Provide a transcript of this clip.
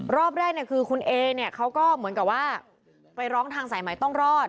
รอบแรกเนี่ยคือคุณเอเนี่ยเขาก็เหมือนกับว่าไปร้องทางสายใหม่ต้องรอด